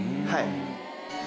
はい。